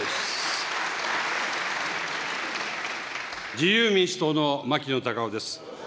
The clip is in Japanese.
自由民主党の牧野たかおです。